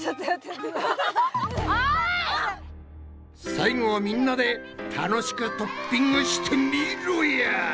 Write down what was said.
最後はみんなで楽しくトッピングしてみろや！